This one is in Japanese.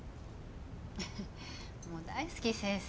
もう大好き先生。